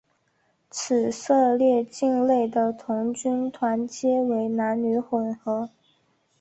以色列境内的童军团皆为男女混合。